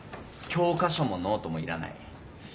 教科書もノートもいらない。